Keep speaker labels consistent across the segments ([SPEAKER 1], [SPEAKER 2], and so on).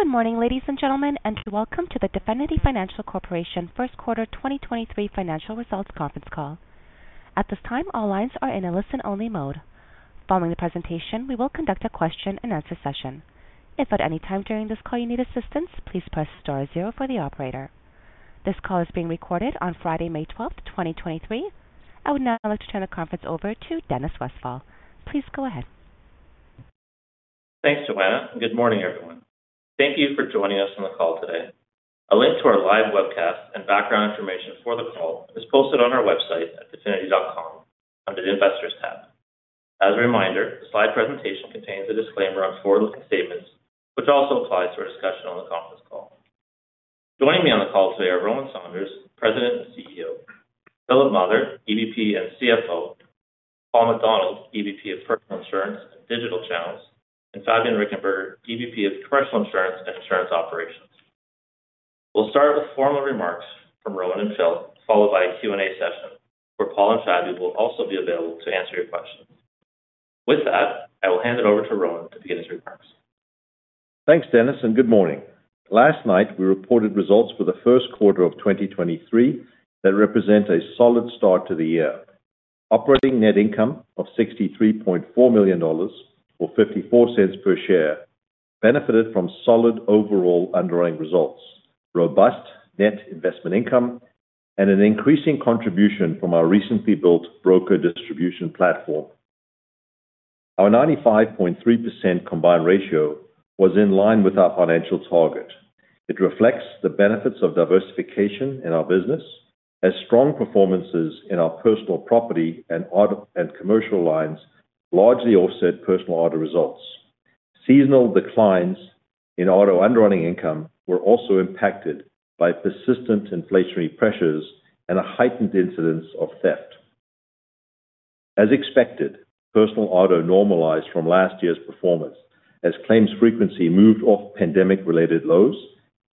[SPEAKER 1] Good morning, ladies and gentlemen, welcome to the Definity Financial Corporation First Quarter 2023 Financial Results Conference Call. At this time, all lines are in a listen-only mode. Following the presentation, we will conduct a question-and-answer session. If at any time during this call you need assistance, please press star zero for the operator. This call is being recorded on Friday, May 12th, 2023. I would now like to turn the conference over to Dennis Westfall. Please go ahead.
[SPEAKER 2] Thanks, Joanna. Good morning, everyone. Thank you for joining us on the call today. A link to our live webcast and background information for the call is posted on our website at definityfinancial.com under the Investors tab. As a reminder, the slide presentation contains a disclaimer on forward-looking statements, which also applies to our discussion on the conference call. Joining me on the call today are Rowan Saunders, President and CEO, Philip Mather, EVP and CFO, Paul MacDonald, EVP of Personal Insurance and Digital Channels, and Fabian Richenberger, EVP of Commercial Insurance and Insurance Operations. We'll start with formal remarks from Rowan and Phil, followed by a Q&A session where Paul and Fabian will also be available to answer your questions. With that, I will hand it over to Rowan to begin his remarks.
[SPEAKER 3] Thanks, Dennis, and good morning. Last night we reported results for the first quarter of 2023 that represent a solid start to the year. Operating Net Income of 63.4 million dollars or 0.54 per share benefited from solid overall underwriting results, robust net investment income, and an increasing contribution from our recently built broker distribution platform. Our 95.3% combined ratio was in line with our financial target. It reflects the benefits of diversification in our business as strong performances in our personal property and auto and commercial lines largely offset personal auto results. Seasonal declines in auto underwriting income were also impacted by persistent inflationary pressures and a heightened incidence of theft. As expected, personal auto normalized from last year's performance as claims frequency moved off pandemic-related lows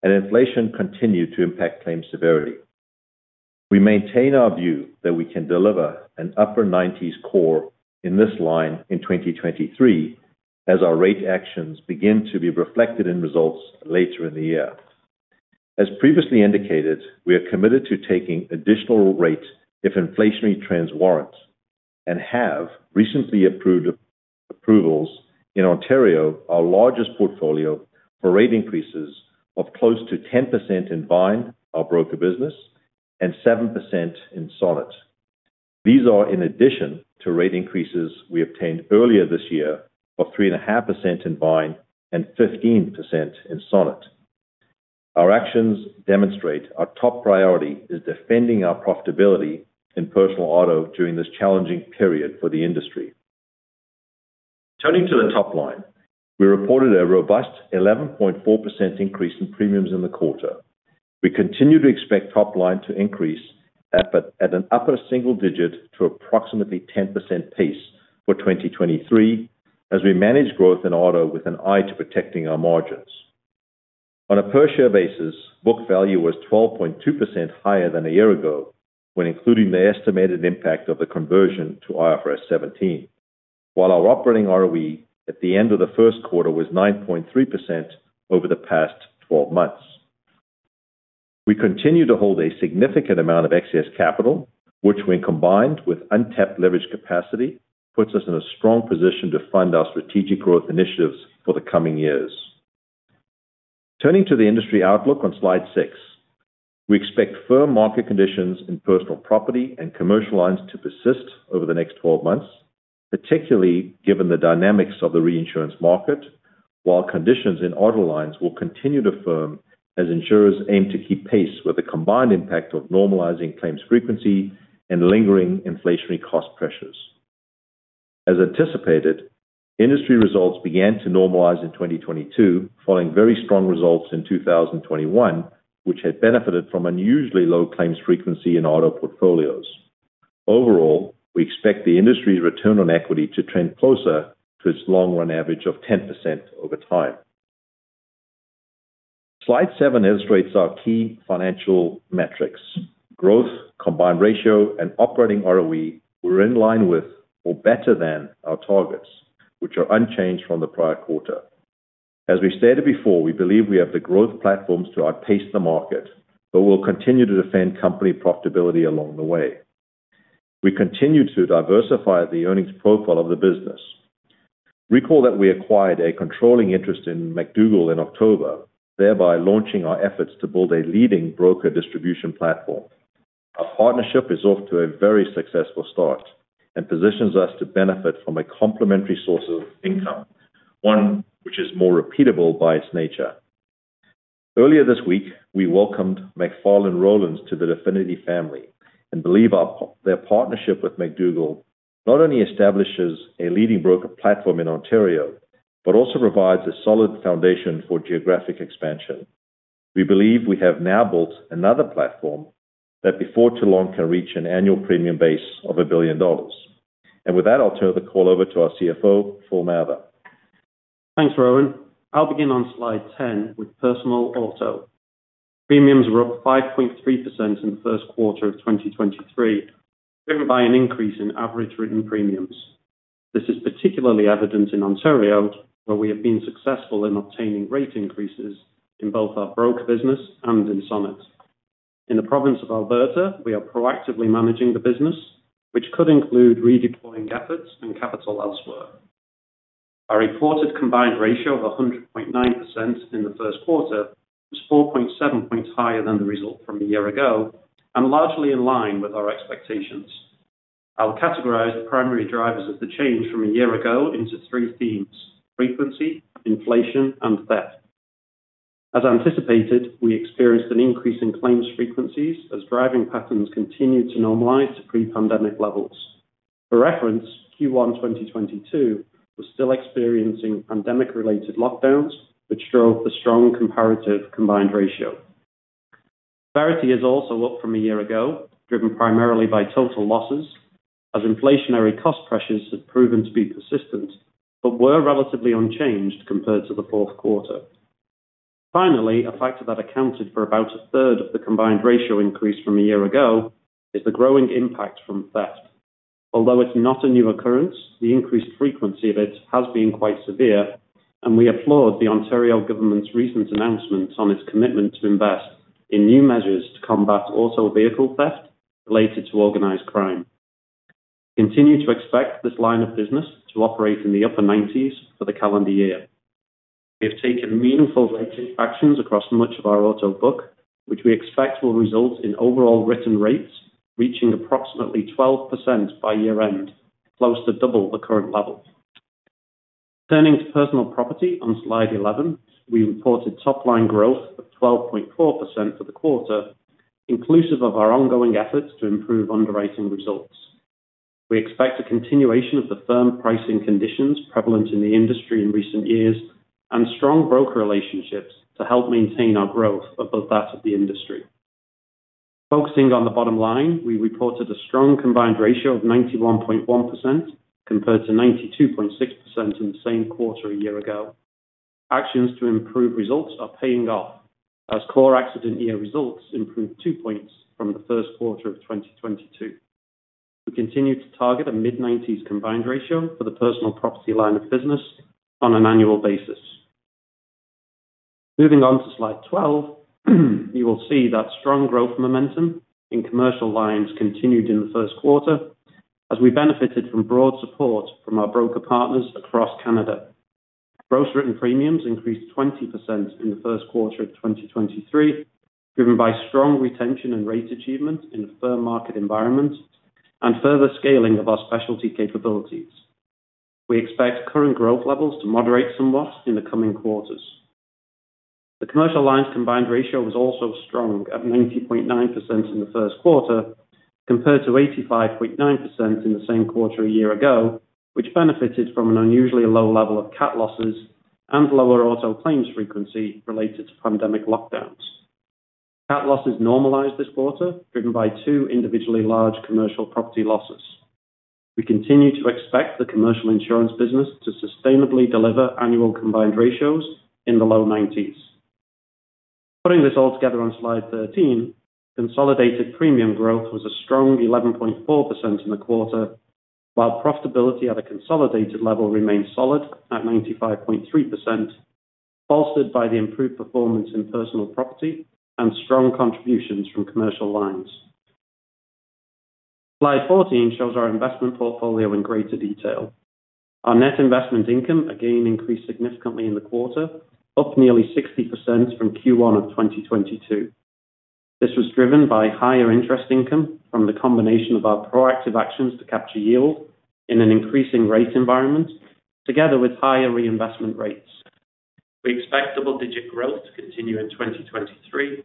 [SPEAKER 3] and inflation continued to impact claims severity. We maintain our view that we can deliver an upper 90s core in this line in 2023 as our rate actions begin to be reflected in results later in the year. As previously indicated, we are committed to taking additional rates if inflationary trends warrant and have recently approved approvals in Ontario, our largest portfolio, for rate increases of close to 10% in Vine, our broker business, and 7% in Sonnet. These are in addition to rate increases we obtained earlier this year of 3.5% in Vine and 15% in Sonnet. Our actions demonstrate our top priority is defending our profitability in personal auto during this challenging period for the industry. Turning to the top line, we reported a robust 11.4% increase in premiums in the quarter. We continue to expect top line to increase at an upper single digit to approximately 10% pace for 2023 as we manage growth in auto with an eye to protecting our margins. On a per share basis, book value was 12.2% higher than a year ago when including the estimated impact of the conversion to IFRS 17. While our operating ROE at the end of the first quarter was 9.3% over the past 12 months. We continue to hold a significant amount of excess capital, which, when combined with untapped leverage capacity, puts us in a strong position to fund our strategic growth initiatives for the coming years. Turning to the industry outlook on slide six. We expect firm market conditions in personal property and commercial lines to persist over the next 12 months, particularly given the dynamics of the reinsurance market, while conditions in auto lines will continue to firm as insurers aim to keep pace with the combined impact of normalizing claims frequency and lingering inflationary cost pressures. As anticipated, industry results began to normalize in 2022 following very strong results in 2021, which had benefited from unusually low claims frequency in auto portfolios. Overall, we expect the industry's return on equity to trend closer to its long-run average of 10% over time. Slide seven illustrates our key financial metrics. Growth, combined ratio, and operating ROE were in line with or better than our targets, which are unchanged from the prior quarter. As we stated before, we believe we have the growth platforms to outpace the market, but we'll continue to defend company profitability along the way. We continue to diversify the earnings profile of the business. Recall that we acquired a controlling interest in McDougall in October, thereby launching our efforts to build a leading broker distribution platform. Our partnership is off to a very successful start and positions us to benefit from a complementary source of income, one which is more repeatable by its nature. Earlier this week, we welcomed McFarlan Rowlands to the Definity family and believe their partnership with McDougall not only establishes a leading broker platform in Ontario but also provides a solid foundation for geographic expansion. We believe we have now built another platform that before too long, can reach an annual premium base of 1 billion dollars. With that, I'll turn the call over to our CFO, Phil Mather.
[SPEAKER 4] Thanks, Rowan. I'll begin on slide 10 with personal auto. Premiums were up 5.3% in the first quarter of 2023, driven by an increase in average written premiums. This is particularly evident in Ontario, where we have been successful in obtaining rate increases in both our broker business and in Summit. In the province of Alberta, we are proactively managing the business, which could include redeploying efforts and capital elsewhere. Our reported combined ratio of 100.9% in the first quarter was 4.7 points higher than the result from a year ago and largely in line with our expectations. I'll categorize the primary drivers of the change from a year ago into three themes: frequency, inflation, and theft. As anticipated, we experienced an increase in claims frequencies as driving patterns continued to normalize to pre-pandemic levels. For reference, Q1, 2022 was still experiencing pandemic related lockdowns, which drove a strong comparative combined ratio. Severity is also up from a year ago, driven primarily by total losses as inflationary cost pressures have proven to be persistent, but were relatively unchanged compared to the fourth quarter. Finally, a factor that accounted for about a third of the combined ratio increase from a year ago is the growing impact from theft. Although it's not a new occurrence, the increased frequency of it has been quite severe, we applaud the Ontario government's recent announcements on its commitment to invest in new measures to combat auto vehicle theft related to organized crime. Continue to expect this line of business to operate in the upper 90s for the calendar year. We have taken meaningful rate actions across much of our auto book, which we expect will result in overall written rates reaching approximately 12% by year-end, close to double the current levels. Turning to personal property on slide 11, we reported top-line growth of 12.4% for the quarter, inclusive of our ongoing efforts to improve underwriting results. We expect a continuation of the firm pricing conditions prevalent in the industry in recent years and strong broker relationships to help maintain our growth above that of the industry. Focusing on the bottom line, we reported a strong combined ratio of 91.1% compared to 92.6% in the same quarter a year ago. Actions to improve results are paying off as core accident year results improved two points from the first quarter of 2022. We continue to target a mid-90s combined ratio for the personal property line of business on an annual basis. Moving on to slide 12, you will see that strong growth momentum in commercial lines continued in the first quarter as we benefited from broad support from our broker partners across Canada. Gross written premiums increased 20% in the first quarter of 2023, driven by strong retention and rate achievement in a firm market environment and further scaling of our specialty capabilities. We expect current growth levels to moderate somewhat in the coming quarters. The commercial lines combined ratio was also strong at 90.9% in the first quarter compared to 85.9% in the same quarter a year ago, which benefited from an unusually low level of cat losses and lower auto claims frequency related to pandemic lockdowns. Cat losses normalized this quarter, driven by two individually large commercial property losses. We continue to expect the commercial insurance business to sustainably deliver annual combined ratios in the low nineties. Putting this all together on slide 13, consolidated premium growth was a strong 11.4% in the quarter, while profitability at a consolidated level remained solid at 95.3%, bolstered by the improved performance in personal property and strong contributions from commercial lines. Slide 14 shows our investment portfolio in greater detail. Our net investment income again increased significantly in the quarter, up nearly 60% from Q1 of 2022. This was driven by higher interest income from the combination of our proactive actions to capture yield in an increasing rate environment together with higher reinvestment rates. We expect double-digit growth to continue in 2023,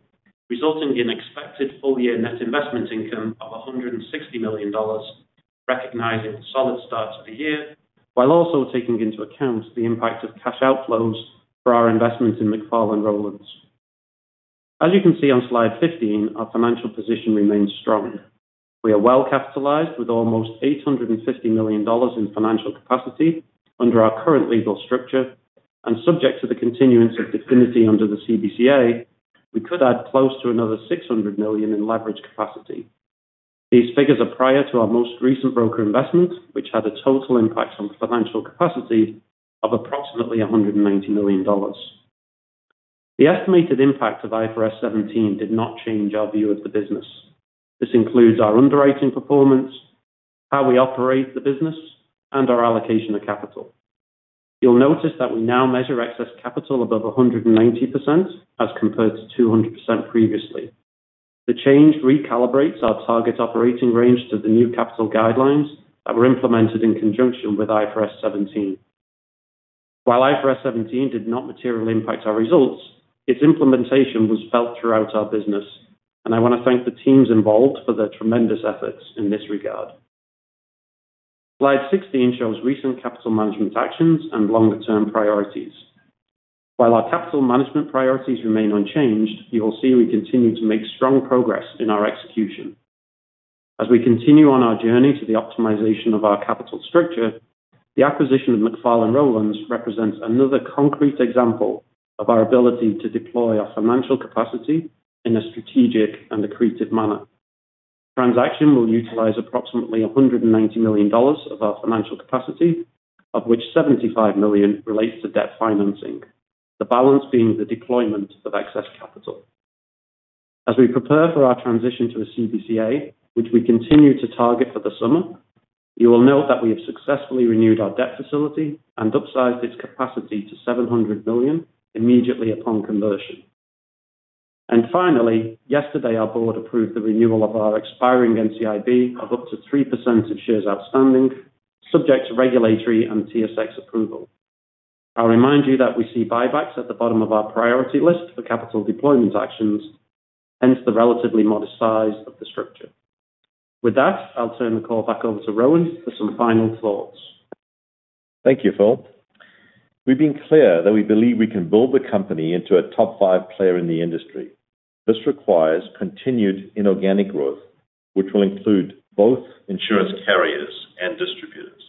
[SPEAKER 4] resulting in expected full-year net investment income of 160 million dollars, recognizing the solid start to the year, while also taking into account the impact of cash outflows for our investment in McFarlan Rowlands. As you can see on slide 15, our financial position remains strong. We are well capitalized with almost 850 million dollars in financial capacity under our current legal structure and subject to the continuance of Definity under the CBCA, we could add close to another 600 million in leverage capacity. These figures are prior to our most recent broker investment, which had a total impact on financial capacity of approximately 190 million dollars. The estimated impact of IFRS 17 did not change our view of the business. This includes our underwriting performance, how we operate the business, and our allocation of capital. You'll notice that we now measure excess capital above 190% as compared to 200% previously. The change recalibrates our target operating range to the new capital guidelines that were implemented in conjunction with IFRS 17. While IFRS 17 did not materially impact our results, its implementation was felt throughout our business. I want to thank the teams involved for their tremendous efforts in this regard. Slide 16 shows recent capital management actions and longer-term priorities. While our capital management priorities remain unchanged, you will see we continue to make strong progress in our execution. As we continue on our journey to the optimization of our capital structure, the acquisition of McFarlan Rowlands represents another concrete example of our ability to deploy our financial capacity in a strategic and accretive manner. Transaction will utilize approximately 190 million dollars of our financial capacity, of our which 75 million relates to debt financing, the balance being the deployment of excess capital. As we prepare for our transition to a CBCA, which we continue to target for the summer, you will note that we have successfully renewed our debt facility and upsized its capacity to 700 million immediately upon conversion. Yesterday, our board approved the renewal of our expiring NCIB of up to 3% of shares outstanding, subject to regulatory and TSX approval. I'll remind you that we see buybacks at the bottom of our priority list for capital deployment actions, hence the relatively modest size of the structure. With that, I'll turn the call back over to Rowan for some final thoughts.
[SPEAKER 3] Thank you, Phil. We've been clear that we believe we can build the company into a top five player in the industry. This requires continued inorganic growth, which will include both insurance carriers and distributors.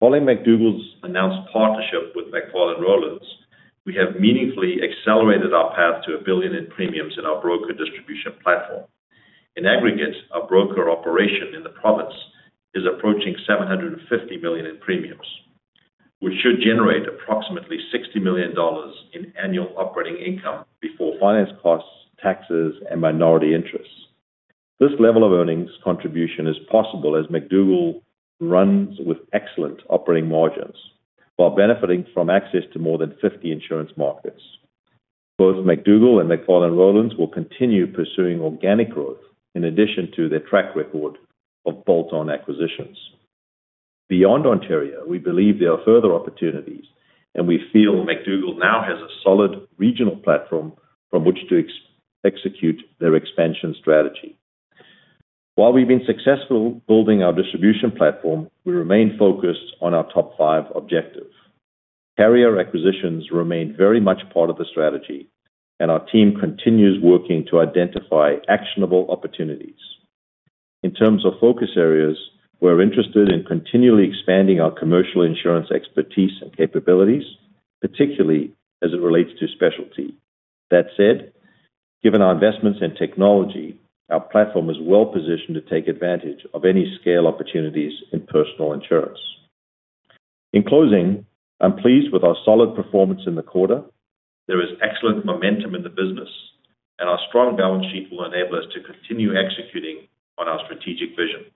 [SPEAKER 3] Following McDougall's announced partnership with McFarlan Rowlands, we have meaningfully accelerated our path to 1 billion in premiums in our broker distribution platform. In aggregate, our broker operation in the province is approaching 750 million in premiums, which should generate approximately 60 million dollars in annual operating income before finance costs, taxes, and minority interests. This level of earnings contribution is possible as McDougall runs with excellent operating margins while benefiting from access to more than 50 insurance markets. Both McDougall and McFarlan Rowlands will continue pursuing organic growth in addition to their track record of bolt-on acquisitions. Beyond Ontario, we believe there are further opportunities, and we feel McDougall now has a solid regional platform from which to execute their expansion strategy. While we've been successful building our distribution platform, we remain focused on our top five objective. Carrier acquisitions remain very much part of the strategy, and our team continues working to identify actionable opportunities. In terms of focus areas, we're interested in continually expanding our commercial insurance expertise and capabilities, particularly as it relates to specialty. That said, given our investments in technology, our platform is well positioned to take advantage of any scale opportunities in personal insurance. In closing, I'm pleased with our solid performance in the quarter. There is excellent momentum in the business, and our strong balance sheet will enable us to continue executing on our strategic vision.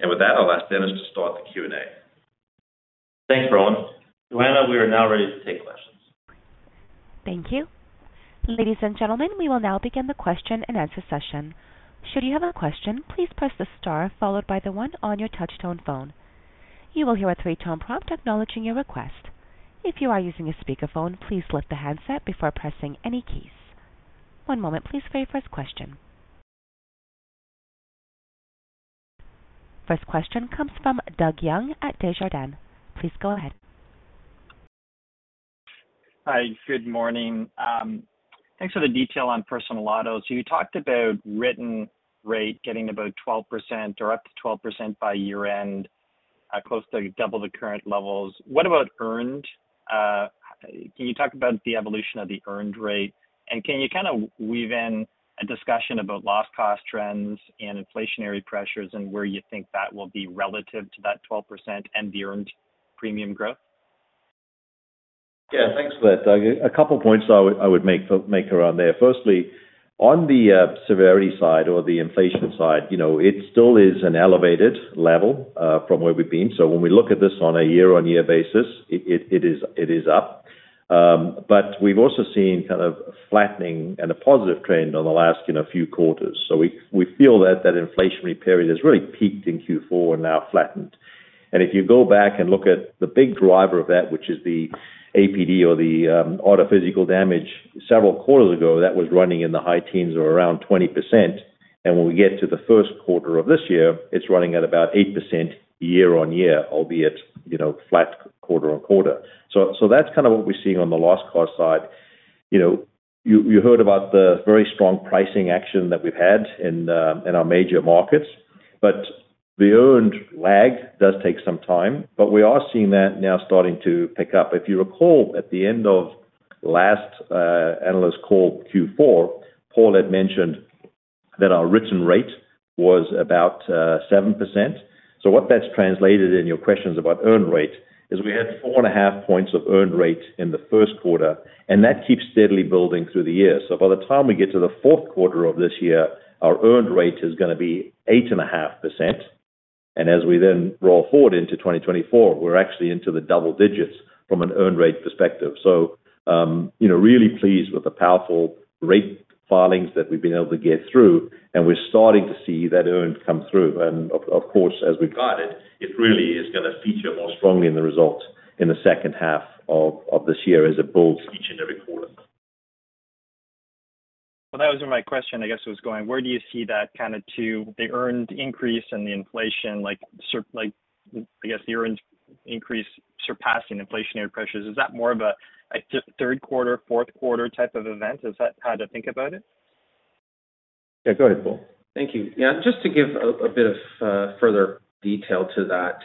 [SPEAKER 3] With that, I'll ask Dennis to start the Q&A.
[SPEAKER 2] Thanks, Rowan. Joanna, we are now ready to take questions.
[SPEAKER 1] Thank you. Ladies and gentlemen, we will now begin the question-and-answer session. Should you have a question, please press the star followed by the one on your touch tone phone. You will hear a three-tone prompt acknowledging your request. If you are using a speakerphone, please lift the handset before pressing any keys. One moment please for your first question. First question comes from Doug Young at Desjardins. Please go ahead.
[SPEAKER 5] Hi, good morning. Thanks for the detail on personal autos. You talked about written rate getting about 12% or up to 12% by year-end at close to double the current levels. What about earned? Can you talk about the evolution of the earned rate? Can you kind of weave in a discussion about loss cost trends and inflationary pressures and where you think that will be relative to that 12% and the earned premium growth?
[SPEAKER 3] Yeah. Thanks for that, Doug. A couple points I would make around there. Firstly, on the severity side or the inflation side, you know, it still is an elevated level from where we've been. When we look at this on a year-on-year basis, it is up. We've also seen kind of flattening and a positive trend on the last, you know, few quarters. We feel that that inflationary period has really peaked in Q4 and now flattened. If you go back and look at the big driver of that, which is the APD or the auto physical damage several quarters ago, that was running in the high teens or around 20%. When we get to the first quarter of this year, it's running at about 8% year-on-year, albeit, you know, flat quarter-on-quarter. That's kind of what we're seeing on the loss cost side. You know, you heard about the very strong pricing action that we've had in our major markets. The earned lag does take some time, but we are seeing that now starting to pick up. If you recall, at the end of last analyst call Q4, Paul had mentioned that our written rate was about 7%. What that's translated in your questions about earned rate is we had 4.5 points of earned rate in the first quarter, and that keeps steadily building through the year. By the time we get to the fourth quarter of this year, our earned rate is gonna be 8.5%. As we then roll forward into 2024, we're actually into the double digits from an earned rate perspective. You know, really pleased with the powerful rate filings that we've been able to get through, and we're starting to see that earned come through. Of course, as we've guided, it really is gonna feature more strongly in the results in the second half of this year as it builds each and every quarter.
[SPEAKER 5] That wasn't my question. I guess it was going, where do you see that kind of to the earned increase and the inflation? Like, I guess the earned increase surpassing inflationary pressures. Is that more of a third quarter, fourth quarter type of event? Is that how to think about it?
[SPEAKER 3] Yeah, go ahead, Paul.
[SPEAKER 6] Thank you. Yeah. Just to give a bit of further detail to that.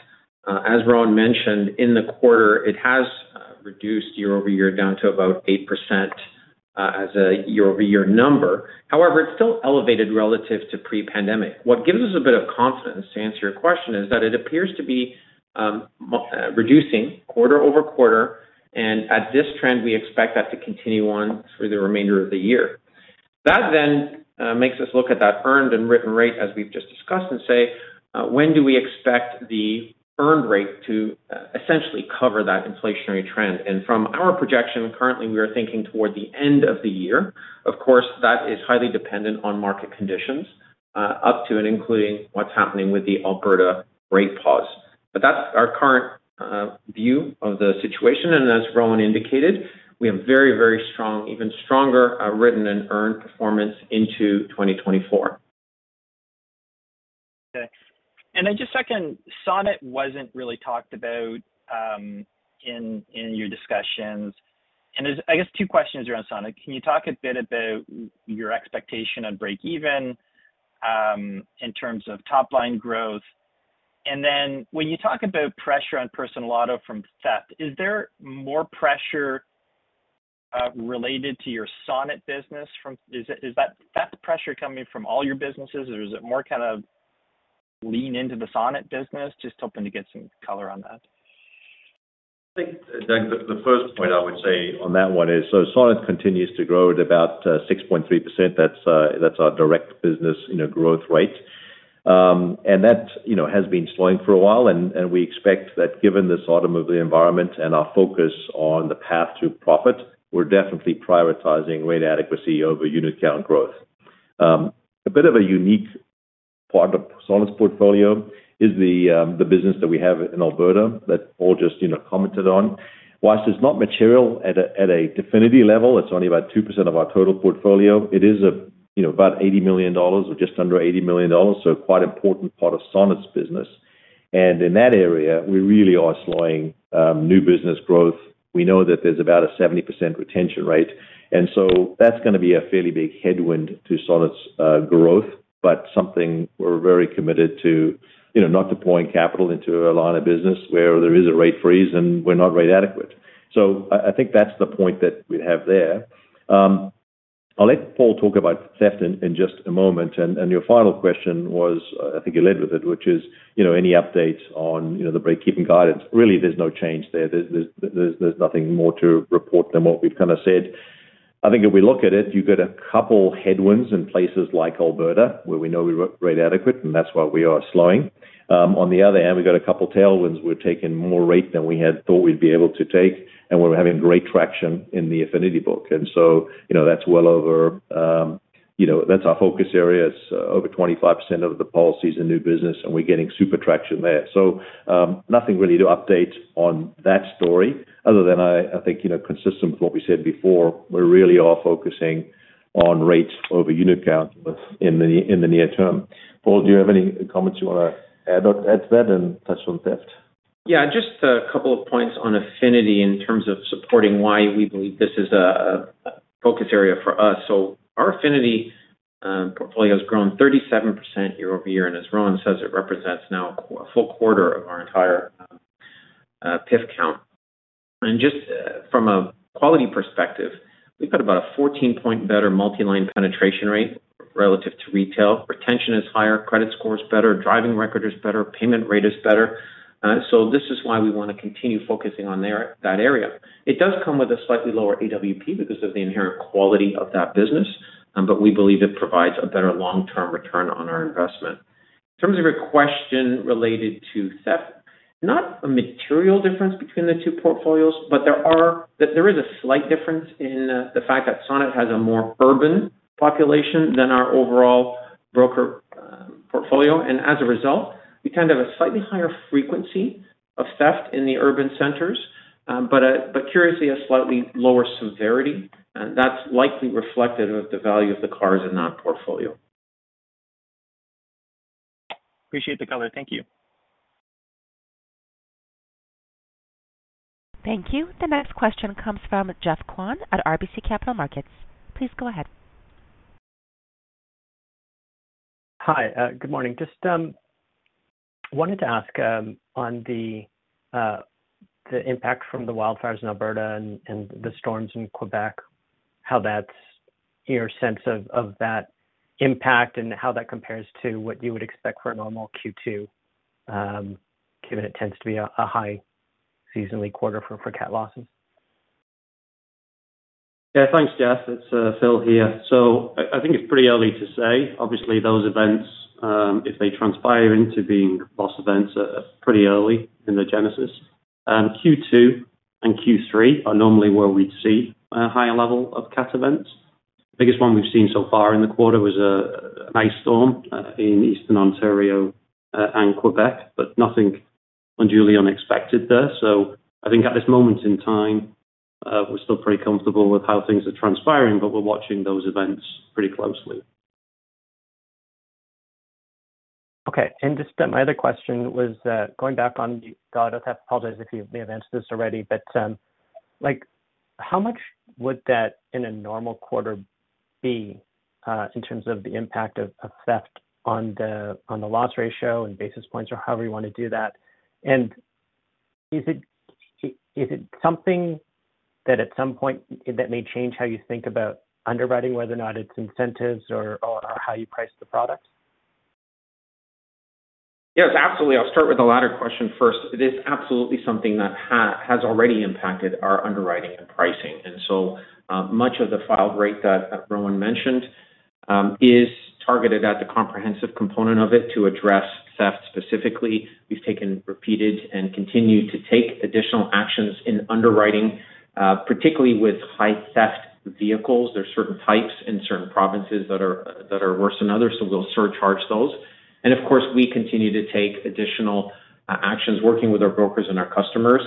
[SPEAKER 6] As Rowan mentioned, in the quarter, it has reduced year-over-year down to about 8%, as a year-over-year number. It's still elevated relative to pre-pandemic. What gives us a bit of confidence, to answer your question, is that it appears to be reducing quarter-over-quarter, and at this trend, we expect that to continue on through the remainder of the year. Makes us look at that earned and written rate as we've just discussed, and say, when do we expect the earned rate to essentially cover that inflationary trend? From our projection, currently we are thinking toward the end of the year. Of course, that is highly dependent on market conditions, up to and including what's happening with the Alberta rate pause. That's our current view of the situation, and as Rowan indicated, we have very, very strong, even stronger, written and earned performance into 2024.
[SPEAKER 3] Okay. Just second, Sonnet wasn't really talked about in your discussions. I guess two questions around Sonnet. Can you talk a bit about your expectation on break even in terms of top line growth? When you talk about pressure on personal auto from theft, is there more pressure related to your Sonnet business? Is that theft pressure coming from all your businesses or is it more kind of lean into the Sonnet business? Just hoping to get some color on that. I think, Zach, the first point I would say on that one is, Sonnet continues to grow at about 6.3%. That's our direct business, you know, growth rate. That, you know, has been slowing for a while and we expect that given this autumn of the environment and our focus on the path to profit, we're definitely prioritizing rate adequacy over unit count growth. A bit of a unique part of Sonnet's portfolio is the business that we have in Alberta that Paul just, you know, commented on. Whilst it's not material at a Definity level, it's only about 2% of our total portfolio. It is, you know, about 80 million dollars or just under 80 million dollars, quite important part of Sonnet's business. In that area, we really are slowing new business growth. We know that there's about a 70% retention rate, that's gonna be a fairly big headwind to Sonnet's growth. Something we're very committed to, you know, not deploying capital into a line of business where there is a rate freeze and we're not rate adequate. I think that's the point that we have there. I'll let Paul talk about theft in just a moment. Your final question was, I think you led with it, which is, you know, any updates on, you know, the break-even guidance. Really, there's no change there. There's nothing more to report than what we've kinda said. I think if we look at it, you get a couple headwinds in places like Alberta, where we know we're rate adequate, and that's why we are slowing. On the other hand, we've got a couple tailwinds. We're taking more rate than we had thought we'd be able to take, and we're having great traction in the Definity book. You know, that's well over, you know, that's our focus area. It's over 25% of the policies and new business, and we're getting super traction there. Nothing really to update on that story other than I think, you know, consistent with what we said before, we really are focusing on rates over unit count in the, in the near term. Paul, do you have any comments you wanna add to that and touch on theft?
[SPEAKER 6] Just a couple of points on Definity in terms of supporting why we believe this is a focus area for us. Our Definity portfolio has grown 37% year-over-year, and as Rowan says, it represents now a full quarter of our entire PIF count. Just from a quality perspective, we've got about a 14 point better multi-line penetration rate relative to retail. Retention is higher, credit score is better, driving record is better, payment rate is better. This is why we wanna continue focusing on that area. It does come with a slightly lower AWP because of the inherent quality of that business, but we believe it provides a better long-term return on our investment. In terms of your question related to theft, not a material difference between the two portfolios, but there are... There is a slight difference in the fact that Sonnet has a more urban population than our overall broker portfolio. As a result, we kind of have a slightly higher frequency of theft in the urban centers, but curiously, a slightly lower severity. That's likely reflected with the value of the cars in that portfolio.
[SPEAKER 5] Appreciate the color. Thank you.
[SPEAKER 1] Thank you. The next question comes from Geoff Kwan at RBC Capital Markets. Please go ahead.
[SPEAKER 7] Hi. Good morning. Just wanted to ask on the impact from the wildfires in Alberta and the storms in Quebec, how that's your sense of that impact and how that compares to what you would expect for a normal Q2, given it tends to be a high seasonally quarter for cat losses.
[SPEAKER 3] Yeah. Thanks, Jeff. It's Phil here. I think it's pretty early to say. Obviously those events, if they transpire into being loss events are pretty early in the genesis. Q2 and Q3 are normally where we'd see a higher level of cat events. The biggest one we've seen so far in the quarter was an ice storm in Eastern Ontario and Quebec, but nothing unduly unexpected there. I think at this moment in time, we're still pretty comfortable with how things are transpiring, but we're watching those events pretty closely.
[SPEAKER 7] Okay. Just my other question was, going back on, I apologize if you may have answered this already, but, like how much would that in a normal quarter be, in terms of the impact of theft on the loss ratio and basis points or however you want to do that? Is it something that at some point that may change how you think about underwriting, whether or not it's incentives or how you price the product?
[SPEAKER 6] Yes, absolutely. I'll start with the latter question first. It is absolutely something that has already impacted our underwriting and pricing. Much of the filed rate that Rowan mentioned is targeted at the comprehensive component of it to address theft specifically. We've taken repeated and continue to take additional actions in underwriting, particularly with high-theft vehicles. There are certain types in certain provinces that are worse than others, so we'll surcharge those. Of course, we continue to take additional actions working with our brokers and our customers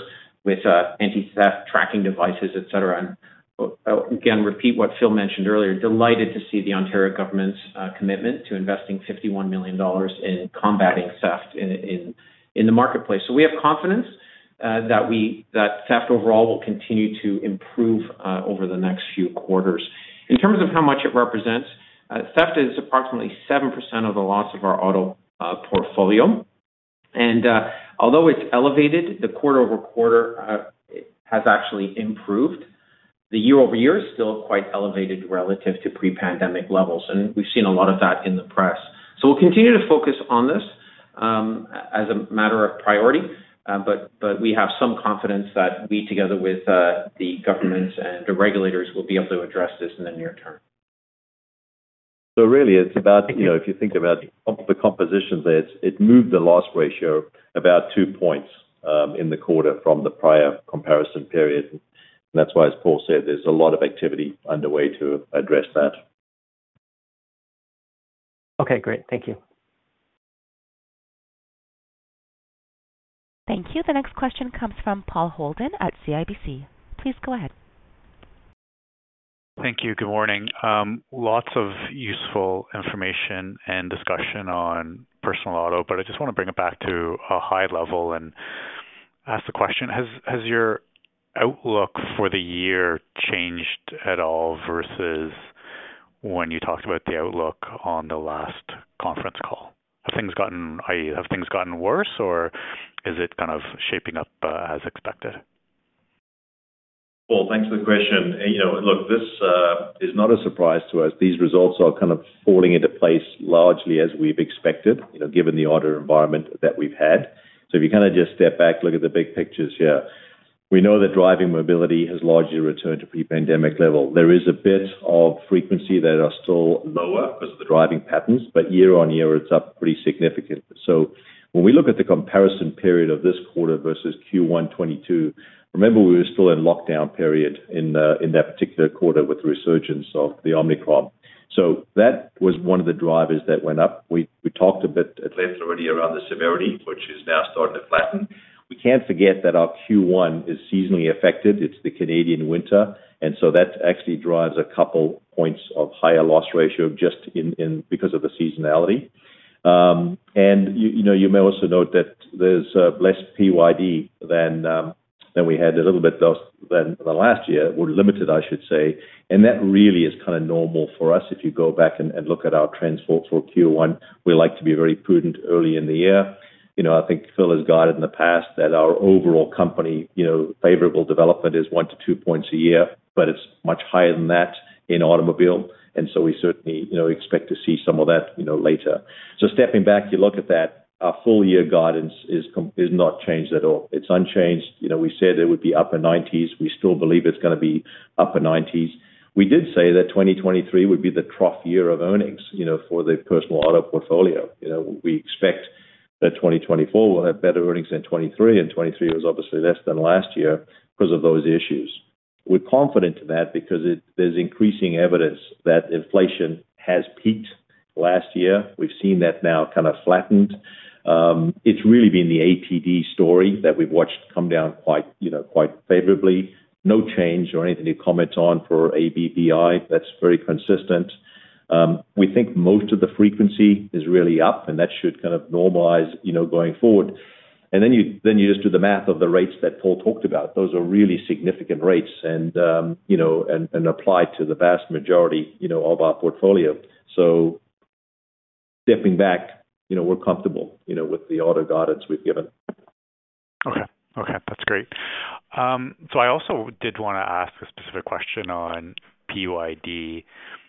[SPEAKER 6] with anti-theft tracking devices, et cetera. I'll again repeat what Phil mentioned earlier, delighted to see the Ontario government's commitment to investing 51 million dollars in combating theft in the marketplace. We have confidence that theft overall will continue to improve over the next few quarters. In terms of how much it represents, theft is approximately 7% of the loss of our auto portfolio. Although it's elevated, the quarter-over-quarter has actually improved. The year-over-year is still quite elevated relative to pre-pandemic levels, and we've seen a lot of that in the press. We'll continue to focus on this as a matter of priority. We have some confidence that we, together with the governments and the regulators, will be able to address this in the near term.
[SPEAKER 3] Really it's about, you know, if you think about the composition there, it moved the loss ratio about two points in the quarter from the prior comparison period. That's why, as Paul said, there's a lot of activity underway to address that.
[SPEAKER 7] Okay, great. Thank you.
[SPEAKER 1] Thank you. The next question comes from Paul Holden at CIBC. Please go ahead.
[SPEAKER 8] Thank you. Good morning. Lots of useful information and discussion on personal auto, but I just want to bring it back to a high level and ask the question: Has your outlook for the year changed at all versus when you talked about the outlook on the last conference call? Have things gotten, i.e., worse or is it kind of shaping up as expected?
[SPEAKER 3] Paul, thanks for the question. You know, look, this is not a surprise to us. These results are kind of falling into place largely as we've expected, you know, given the auto environment that we've had. If you kind of just step back, look at the big pictures here. We know that driving mobility has largely returned to pre-pandemic level. There is a bit of frequency that are still lower because of the driving patterns, but year-on-year it's up pretty significantly. When we look at the comparison period of this quarter versus Q1 2022, remember we were still in lockdown period in that particular quarter with the resurgence of the Omicron. That was one of the drivers that went up. We, we talked a bit at length already around the severity, which is now starting to flatten. We can't forget that our Q1 is seasonally affected. It's the Canadian winter, that actually drives a couple points of higher loss ratio just in because of the seasonality. You, you know, you may also note that there's less PYD than we had a little bit less than the last year. We're limited, I should say. That really is kind of normal for us. If you go back and look at our trends for Q1, we like to be very prudent early in the year. You know, I think Phil has guided in the past that our overall company, you know, favorable development is one to two points a year, but it's much higher than that in automobile. We certainly, you know, expect to see some of that, you know, later. Stepping back, you look at that, our full year guidance is not changed at all. It's unchanged. You know, we said it would be upper nineties. We still believe it's going to be upper nineties. We did say that 2023 would be the trough year of earnings, you know, for the personal auto portfolio. You know, we expect that 2024 will have better earnings than 2023, and 2023 was obviously less than last year because of those issues. We're confident to that because there's increasing evidence that inflation has peaked last year. We've seen that now kind of flattened. It's really been the APD story that we've watched come down quite, you know, quite favorably. No change or anything to comment on for ABPI. That's very consistent. We think most of the frequency is really up, and that should kind of normalize, you know, going forward. Then you just do the math of the rates that Paul talked about. Those are really significant rates and, you know, apply to the vast majority, you know, of our portfolio. Stepping back, you know, we're comfortable, you know, with the auto guidance we've given.
[SPEAKER 8] Okay. Okay, that's great. I also did want to ask a specific question on PYD. Just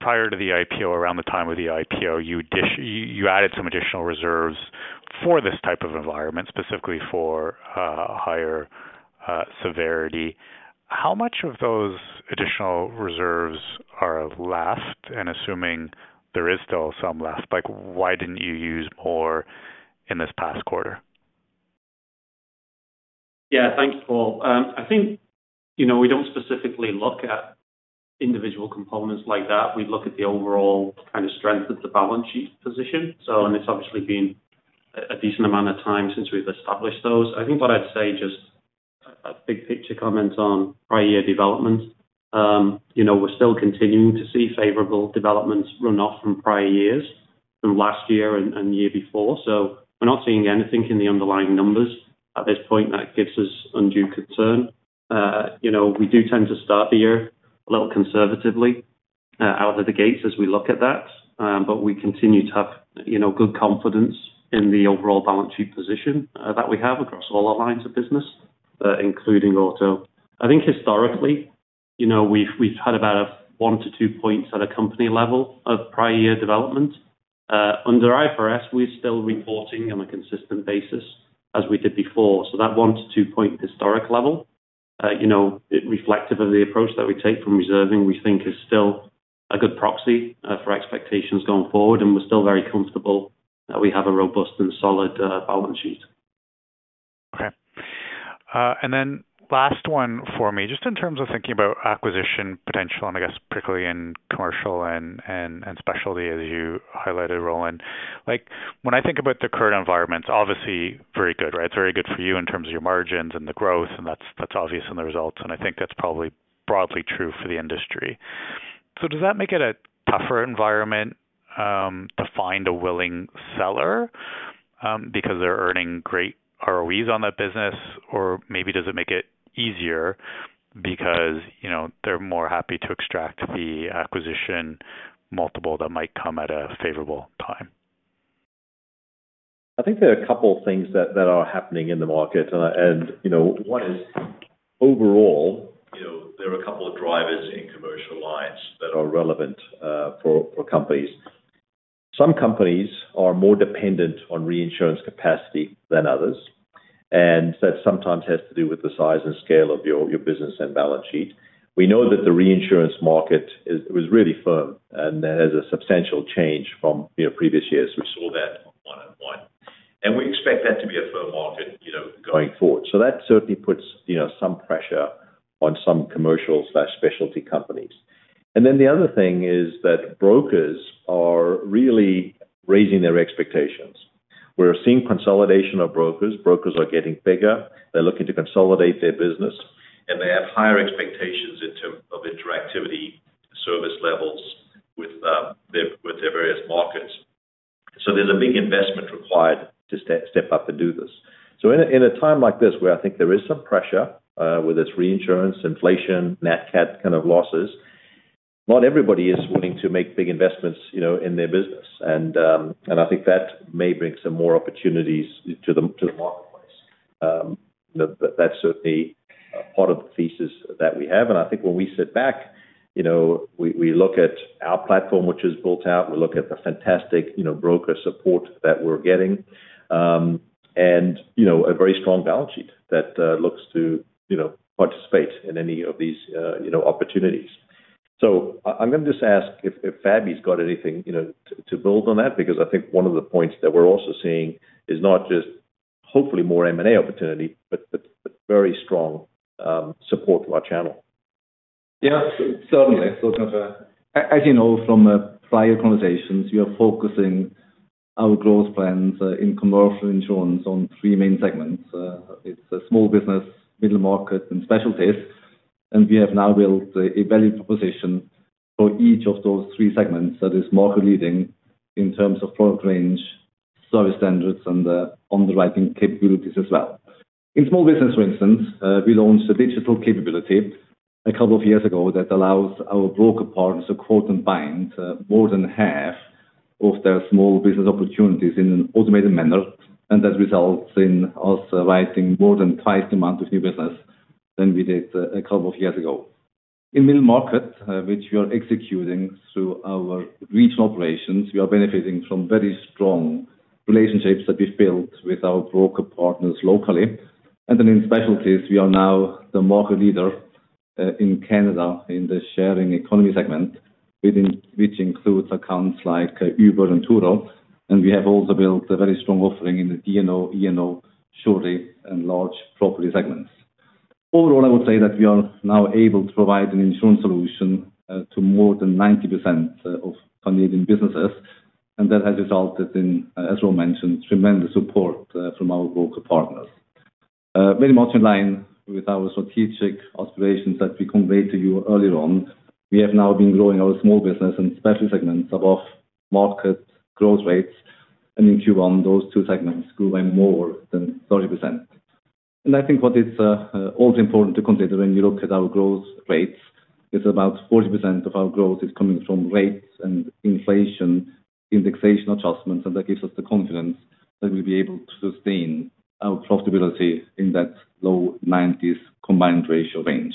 [SPEAKER 8] prior to the IPO, around the time of the IPO, you added some additional reserves for this type of environment, specifically for higher severity. How much of those additional reserves are left? Assuming there is still some left, like why didn't you use more in this past quarter?
[SPEAKER 4] Yeah. Thanks, Paul. I think, you know, we don't specifically look at individual components like that. We look at the overall kind of strength of the balance sheet position. It's obviously been a decent amount of time since we've established those. I think what I'd say just A big picture comment on prior year developments. you know, we're still continuing to see favorable developments run off from prior years, from last year and the year before. We're not seeing anything in the underlying numbers at this point that gives us undue concern. you know, we do tend to start the year a little conservatively out of the gates as we look at that. We continue to have, you know, good confidence in the overall balance sheet position that we have across all our lines of business, including auto. I think historically, you know, we've had about one to two points at a company level of prior year development. Under IFRS, we're still reporting on a consistent basis as we did before. That one to two point historic level, you know, reflective of the approach that we take from reserving, we think is still a good proxy for expectations going forward. We're still very comfortable that we have a robust and solid balance sheet.
[SPEAKER 8] Okay. Last one for me, just in terms of thinking about acquisition potential, and I guess particularly in commercial and specialty as you highlighted, Rowan. Like, when I think about the current environment, it's obviously very good, right? It's very good for you in terms of your margins and the growth, and that's obvious in the results, and I think that's probably broadly true for the industry. Does that make it a tougher environment to find a willing seller because they're earning great ROEs on that business? Or maybe does it make it easier because, you know, they're more happy to extract the acquisition multiple that might come at a favorable time?
[SPEAKER 3] I think there are a couple of things that are happening in the market. You know, one is overall, you know, there are a couple of drivers in commercial lines that are relevant for companies. Some companies are more dependent on reinsurance capacity than others, and that sometimes has to do with the size and scale of your business and balance sheet. We know that the reinsurance market was really firm and has a substantial change from, you know, previous years. We saw that one on one, and we expect that to be a firm market, you know, going forward. That certainly puts, you know, some pressure on some commercial/specialty companies. Then the other thing is that brokers are really raising their expectations. We're seeing consolidation of brokers. Brokers are getting bigger. They're looking to consolidate their business. They have higher expectations in term of interactivity service levels with their various markets. There's a big investment required to step up and do this. In a time like this where I think there is some pressure, whether it's reinsurance, inflation, Nat Cat kind of losses, not everybody is willing to make big investments, you know, in their business. I think that may bring some more opportunities to the marketplace. That's certainly part of the thesis that we have. I think when we sit back, you know, we look at our platform, which is built out. We look at the fantastic, you know, broker support that we're getting, and, you know, a very strong balance sheet that looks to, you know, participate in any of these, you know, opportunities. I'm gonna just ask if Fabi's got anything, you know, to build on that, because I think one of the points that we're also seeing is not just hopefully more M&A opportunity, but very strong, support through our channel.
[SPEAKER 9] Yeah, certainly. As you know from, prior conversations, we are focusing our growth plans, in commercial insurance on three main segments. It's, small business, middle market, and specialties. We have now built a value proposition for each of those three segments that is market leading in terms of product range, service standards, and, underwriting capabilities as well. In small business, for instance, we launched a digital capability a couple of years ago that allows our broker partners to quote and bind, more than half of their small business opportunities in an automated manner. That results in us writing more than twice the amount of new business than we did a couple of years ago. In middle market, which we are executing through our regional operations, we are benefiting from very strong relationships that we've built with our broker partners locally. Then in specialties, we are now the market leader in Canada in the sharing economy segment, which includes accounts like Uber and Turo. We have also built a very strong offering in the D&O, E&O, surety, and large property segments. Overall, I would say that we are now able to provide an insurance solution to more than 90% of Canadian businesses. That has resulted in, as Rowan Saunders mentioned, tremendous support from our broker partners. Very much in line with our strategic aspirations that we conveyed to you earlier on. We have now been growing our small business and specialty segments above market growth rates. In Q1, those two segments grew by more than 30%. I think what is also important to consider when you look at our growth rates is about 40% of our growth is coming from rates and inflation indexation adjustments. That gives us the confidence that we'll be able to sustain our profitability in that low 90s combined ratio range.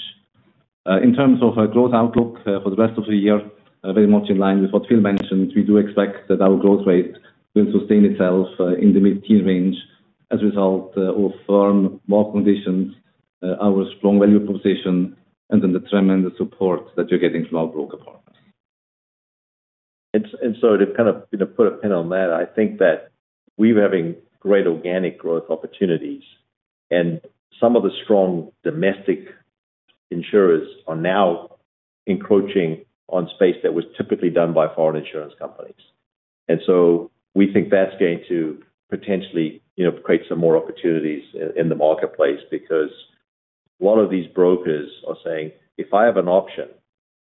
[SPEAKER 9] In terms of our growth outlook for the rest of the year, very much in line with what Phil mentioned, we do expect that our growth rate will sustain itself in the mid-teen range as a result of firm market conditions, our strong value proposition, and the tremendous support that we're getting from our broker partners.
[SPEAKER 4] To kind of, you know, put a pin on that, I think that we're having great organic growth opportunities. Some of the strong. Insurers are now encroaching on space that was typically done by foreign insurance companies. We think that's going to potentially, you know, create some more opportunities in the marketplace because a lot of these brokers are saying, "If I have an option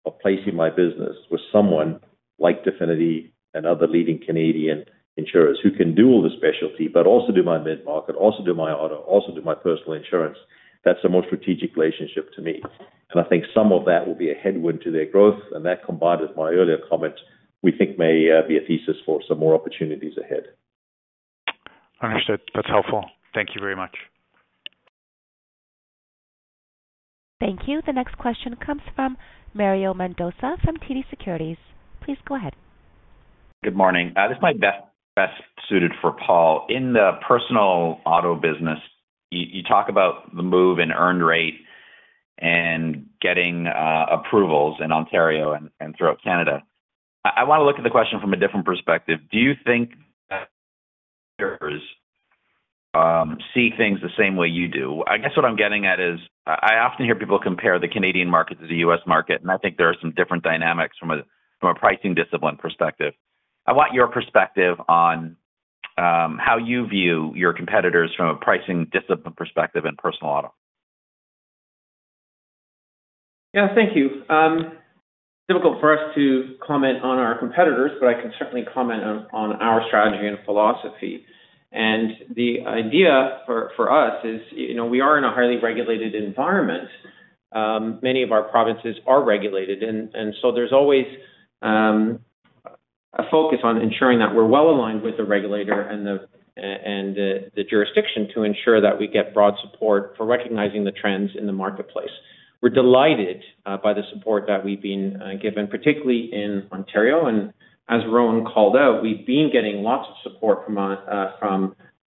[SPEAKER 4] of placing my business with someone like Definity and other leading Canadian insurers who can do all the specialty, but also do my mid-market, also do my auto, also do my personal insurance, that's a more strategic relationship to me." I think some of that will be a headwind to their growth. That combined with my earlier comment, we think may be a thesis for some more opportunities ahead.
[SPEAKER 8] Understood. That's helpful. Thank you very much.
[SPEAKER 1] Thank you. The next question comes from Mario Mendonca from TD Securities. Please go ahead.
[SPEAKER 10] Good morning. This might be best suited for Paul. In the personal auto business, you talk about the move in earned rate and getting approvals in Ontario and throughout Canada. I wanna look at the question from a different perspective. Do you think that insurers see things the same way you do? I guess what I'm getting at is I often hear people compare the Canadian market to the US market, and I think there are some different dynamics from a pricing discipline perspective. I want your perspective on how you view your competitors from a pricing discipline perspective in personal auto.
[SPEAKER 6] Yeah, thank you. Difficult for us to comment on our competitors, but I can certainly comment on our strategy and philosophy. The idea for us is, you know, we are in a highly regulated environment. Many of our provinces are regulated and so there's always a focus on ensuring that we're well aligned with the regulator and the jurisdiction to ensure that we get broad support for recognizing the trends in the marketplace. We're delighted by the support that we've been given, particularly in Ontario. As Rowan called out, we've been getting lots of support from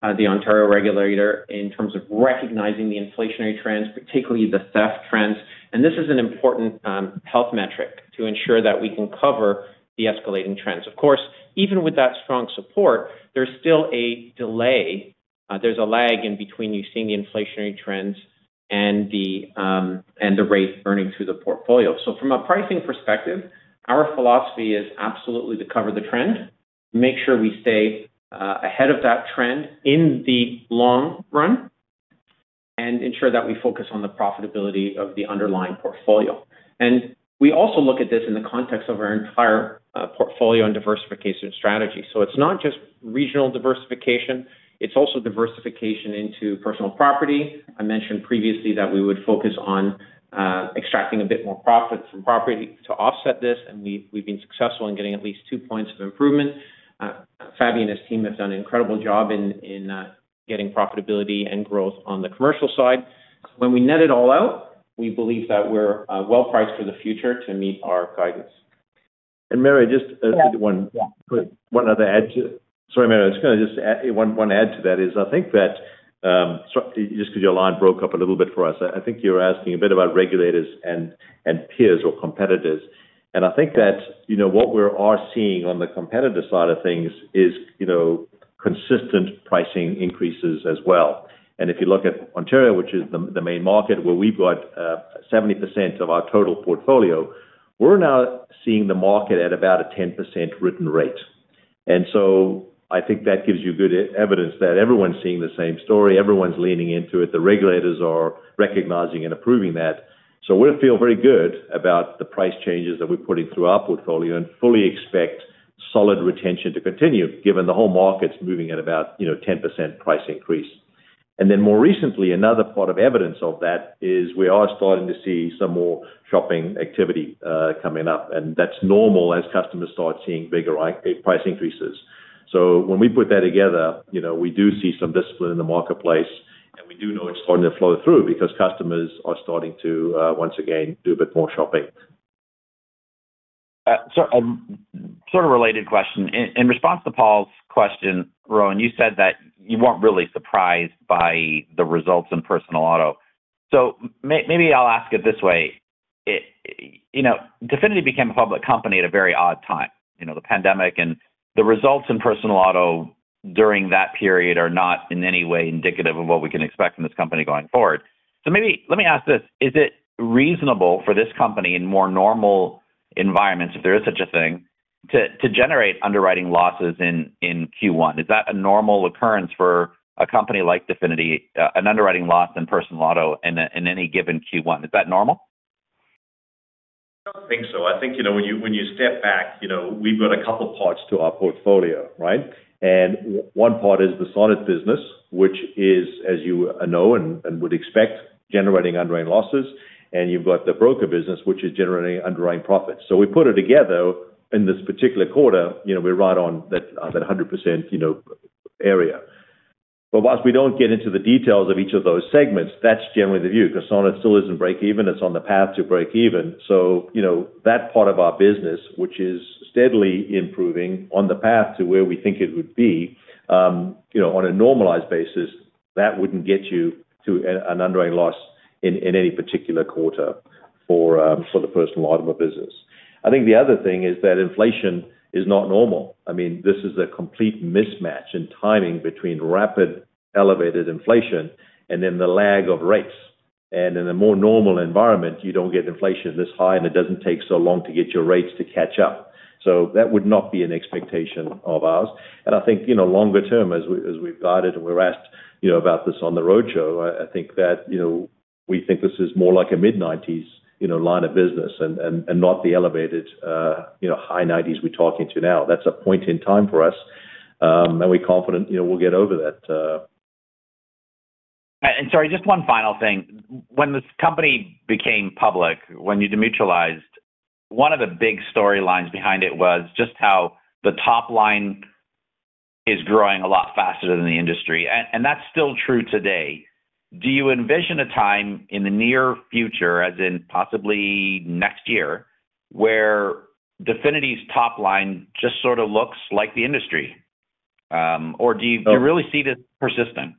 [SPEAKER 6] the Ontario regulator in terms of recognizing the inflationary trends, particularly the theft trends. This is an important health metric to ensure that we can cover the escalating trends. Of course, even with that strong support, there's still a delay. There's a lag in between you seeing the inflationary trends and the and the rate earning through the portfolio. From a pricing perspective, our philosophy is absolutely to cover the trend, make sure we stay ahead of that trend in the long run, and ensure that we focus on the profitability of the underlying portfolio. We also look at this in the context of our entire portfolio and diversification strategy. It's not just regional diversification, it's also diversification into personal property. I mentioned previously that we would focus on extracting a bit more profits from property to offset this, and we've been successful in getting at least two points of improvement. Fabi and his team have done an incredible job in getting profitability and growth on the commercial side. When we net it all out, we believe that we're well priced for the future to meet our guidance.
[SPEAKER 3] Mario, just.
[SPEAKER 10] Yeah.
[SPEAKER 3] Sorry, Mario. I was gonna just add one add to that is I think that, just 'cause your line broke up a little bit for us, I think you were asking a bit about regulators and peers or competitors. I think that, you know, what we are seeing on the competitor side of things is, you know, consistent pricing increases as well. If you look at Ontario, which is the main market where we've got 70% of our total portfolio, we're now seeing the market at about a 10% written rate. I think that gives you good e-evidence that everyone's seeing the same story. Everyone's leaning into it. The regulators are recognizing and approving that. We feel very good about the price changes that we're putting through our portfolio and fully expect solid retention to continue given the whole market's moving at about, you know, 10% price increase. More recently, another part of evidence of that is we are starting to see some more shopping activity coming up, and that's normal as customers start seeing bigger price increases. When we put that together, you know, we do see some discipline in the marketplace, and we do know it's starting to flow through because customers are starting to once again, do a bit more shopping.
[SPEAKER 10] A sort of related question. In response to Paul's question, Rowan, you said that you weren't really surprised by the results in personal auto. I'll ask it this way. You know, Definity became a public company at a very odd time, you know, the pandemic and the results in personal auto during that period are not in any way indicative of what we can expect from this company going forward. Maybe let me ask this: Is it reasonable for this company in more normal environments, if there is such a thing, to generate underwriting losses in Q1? Is that a normal occurrence for a company like Definity, an underwriting loss in personal auto in any given Q1? Is that normal?
[SPEAKER 6] I don't think so. I think, you know, when you, when you step back, you know, we've got a couple parts to our portfolio, right? One part is the Sonnet business, which is, as you know and would expect, generating underwriting losses. You've got the broker business, which is generating underwriting profits. We put it together in this particular quarter, you know, we're right on that 100%, you know, area. Whilst we don't get into the details of each of those segments, that's generally the view, 'cause Sonnet still isn't break even. It's on the path to break even. You know, that part of our business, which is steadily improving on the path to where we think it would be, you know, on a normalized basis, that wouldn't get you to an underwriting loss in any particular quarter for the personal auto business. I think the other thing is that inflation is not normal. I mean, this is a complete mismatch in timing between rapid elevated inflation and then the lag of rates. In a more normal environment, you don't get inflation this high, and it doesn't take so long to get your rates to catch up. That would not be an expectation of ours. I think, you know, longer term, as we've guided and we're asked, you know, about this on the roadshow, I think that, you know, we think this is more like a mid-90s, you know, line of business and not the elevated, high 90s we're talking to now. That's a point in time for us, and we're confident, you know, we'll get over that.
[SPEAKER 10] sorry, just one final thing. When this company became public, when you demutualized, one of the big storylines behind it was just how the top line is growing a lot faster than the industry. And that's still true today. Do you envision a time in the near future, as in possibly next year, where Definity's top line just sort of looks like the industry? Or do you really see this persistent?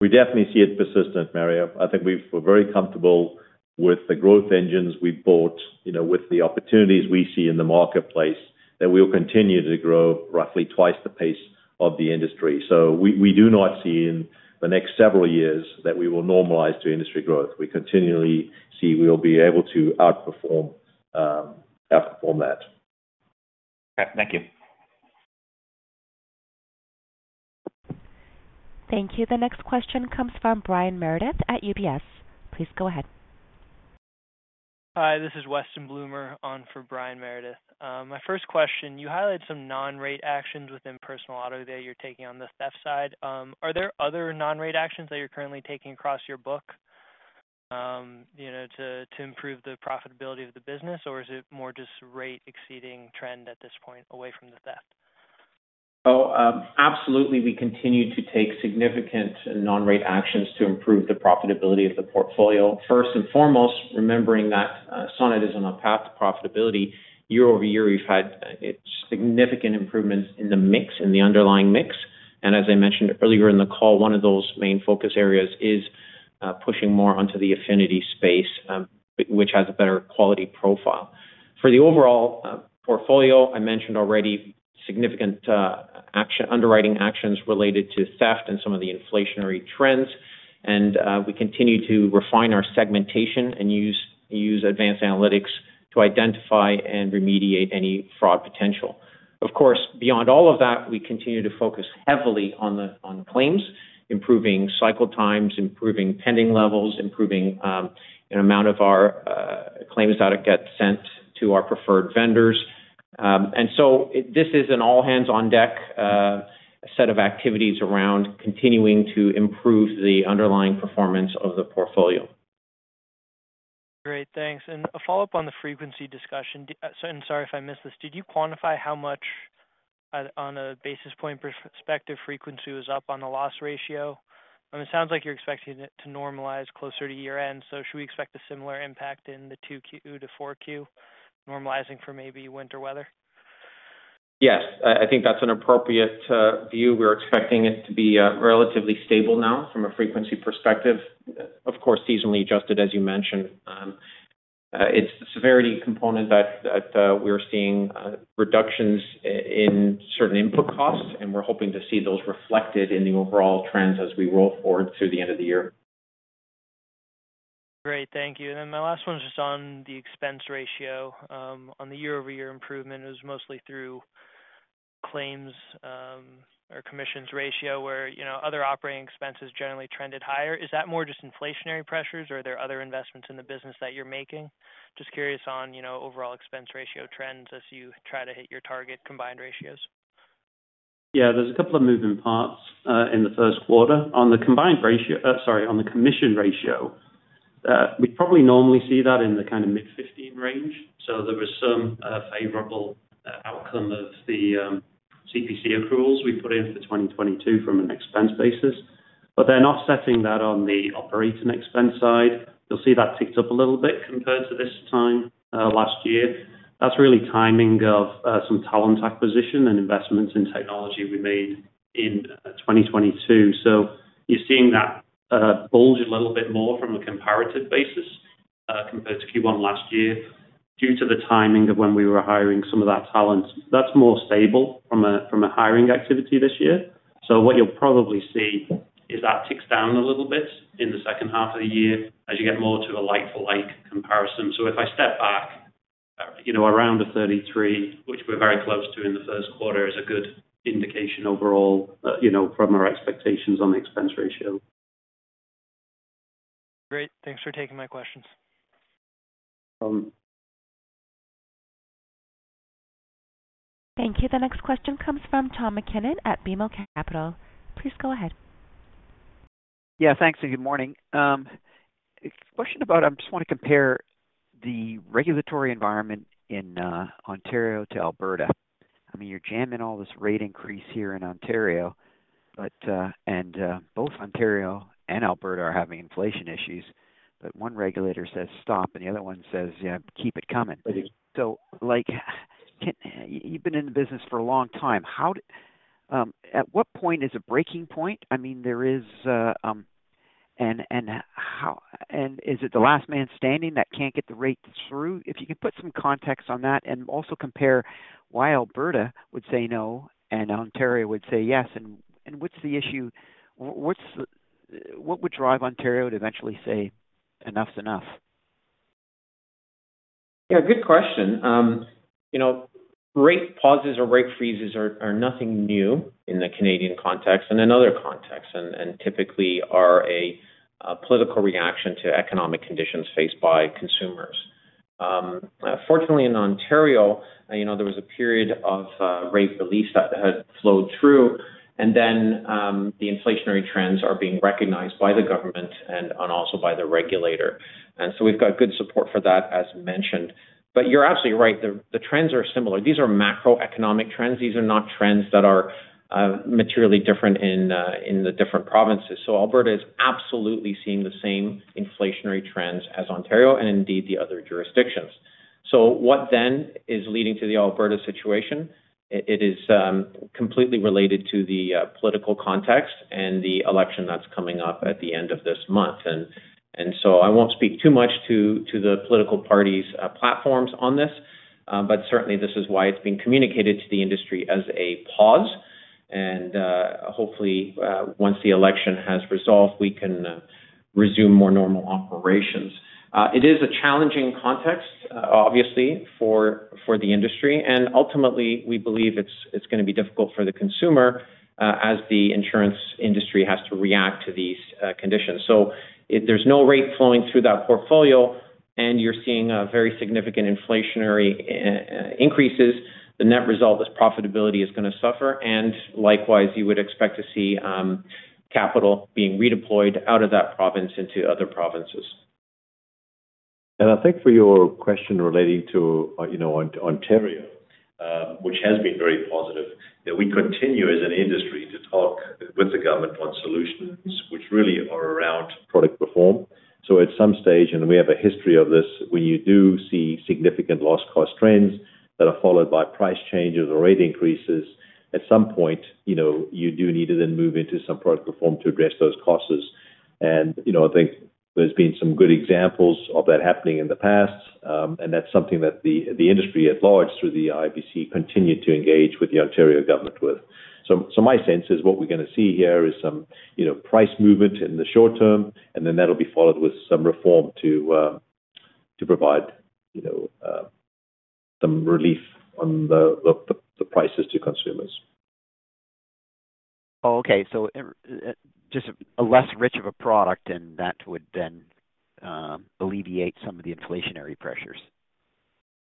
[SPEAKER 6] We definitely see it persistent, Mario. I think we're very comfortable with the growth engines we bought, you know, with the opportunities we see in the marketplace, that we will continue to grow roughly twice the pace of the industry. We do not see in the next several years that we will normalize to industry growth. We continually see we'll be able to outperform that.
[SPEAKER 10] Okay. Thank you.
[SPEAKER 1] Thank you. The next question comes from Brian Meredith at UBS. Please go ahead.
[SPEAKER 11] Hi. This is Weston Bloomer on for Brian Meredith. My first question, you highlighted some non-rate actions within personal auto that you're taking on the theft side. Are there other non-rate actions that you're currently taking across your book, you know, to improve the profitability of the business? Or is it more just rate exceeding trend at this point away from the theft?
[SPEAKER 6] Absolutely, we continue to take significant non-rate actions to improve the profitability of the portfolio. First and foremost, remembering that Sonnet is on a path to profitability. Year-over-year, we've had significant improvements in the mix, in the underlying mix. As I mentioned earlier in the call, one of those main focus areas is pushing more onto the Definity space, which has a better quality profile. For the overall portfolio, I mentioned already significant underwriting actions related to theft and some of the inflationary trends, we continue to refine our segmentation and use advanced analytics to identify and remediate any fraud potential. Beyond all of that, we continue to focus heavily on the claims, improving cycle times, improving pending levels, improving amount of our claims that get sent to our preferred vendors. This is an all-hands-on-deck set of activities around continuing to improve the underlying performance of the portfolio.
[SPEAKER 11] Great. Thanks. A follow-up on the frequency discussion. Sorry if I missed this, did you quantify how much on a basis point perspective frequency was up on the loss ratio? I mean, it sounds like you're expecting it to normalize closer to year-end, should we expect a similar impact in the 2Q to 4Q normalizing for maybe winter weather?
[SPEAKER 6] Yes. I think that's an appropriate view. We're expecting it to be relatively stable now from a frequency perspective. Of course, seasonally adjusted, as you mentioned. It's the severity component that we're seeing reductions in certain input costs, and we're hoping to see those reflected in the overall trends as we roll forward through the end of the year.
[SPEAKER 11] Great. Thank you. Then my last one is just on the expense ratio. On the year-over-year improvement, it was mostly through claims, or commissions ratio where, you know, other operating expenses generally trended higher. Is that more just inflationary pressures or are there other investments in the business that you're making? Just curious on, you know, overall expense ratio trends as you try to hit your target combined ratios.
[SPEAKER 4] There's a couple of moving parts in the first quarter. On the commission ratio, we probably normally see that in the kind of mid-15 range. There was some favorable outcome of the CPC accruals we put in for 2022 from an expense basis. They're not setting that on the operating expense side. You'll see that ticked up a little bit compared to this time last year. That's really timing of some talent acquisition and investments in technology we made in 2022. You're seeing that bulge a little bit more from a comparative basis compared to Q1 last year due to the timing of when we were hiring some of that talent. That's more stable from a hiring activity this year. What you'll probably see is that ticks down a little bit in the second half of the year as you get more to a like-for-like comparison. If I step back, you know, around a 33%, which we're very close to in the first quarter, is a good indication overall, you know, from our expectations on the expense ratio.
[SPEAKER 11] Great. Thanks for taking my questions.
[SPEAKER 4] Um.
[SPEAKER 1] Thank you. The next question comes from Tom MacKinnon at BMO Capital. Please go ahead.
[SPEAKER 12] Thanks, and good morning. A question about I just want to compare the regulatory environment in Ontario to Alberta. I mean, you're jamming all this rate increase here in Ontario, but and both Ontario and Alberta are having inflation issues, but one regulator says stop, and the other one says, you know, keep it coming. Like, you've been in the business for a long time. How at what point is a breaking point? I mean, there is. How and is it the last man standing that can't get the rates through? If you could put some context on that and also compare why Alberta would say no and Ontario would say yes, and what's the issue? What would drive Ontario to eventually say enough's enough?
[SPEAKER 6] Yeah, good question. you know, rate pauses or rate freezes are nothing new in the Canadian context and in other contexts and typically are a political reaction to economic conditions faced by consumers. Fortunately in Ontario, you know, there was a period of rate release that had flowed through and then the inflationary trends are being recognized by the government and also by the regulator. We've got good support for that as mentioned. You're absolutely right. The trends are similar. These are macroeconomic trends. These are not trends that are materially different in the different provinces. Alberta is absolutely seeing the same inflationary trends as Ontario and indeed the other jurisdictions. What then is leading to the Alberta situation? It is completely related to the political context and the election that's coming up at the end of this month. I won't speak too much to the political party's platforms on this, but certainly this is why it's been communicated to the industry as a pause and hopefully once the election has resolved, we can resume more normal operations. It is a challenging context obviously for the industry and ultimately we believe it's gonna be difficult for the consumer as the insurance industry has to react to these conditions. If there's no rate flowing through that portfolio and you're seeing a very significant inflationary increases, the net result is profitability is gonna suffer. Likewise, you would expect to see capital being redeployed out of that province into other provinces.
[SPEAKER 3] I think for your question relating to, you know, Ontario, which has been very positive, that we continue as an industry to talk with the government on solutions which really are around product reform. At some stage, and we have a history of this, when you do see significant loss cost trends that are followed by price changes or rate increases, at some point, you know, you do need to then move into some product reform to address those costs. You know, I think there's been some good examples of that happening in the past. That's something that the industry at large through the IBC continue to engage with the Ontario government with. My sense is what we're gonna see here is some, you know, price movement in the short term, and then that'll be followed with some reform to provide, you know, some relief on the prices to consumers.
[SPEAKER 12] Okay. Just a less rich of a product and that would then alleviate some of the inflationary pressures.